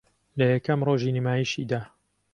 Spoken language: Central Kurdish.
لە یەکەم رۆژی نمایشیدا